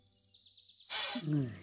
うん。